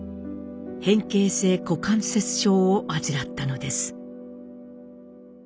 変形性股関節症を患ったのです。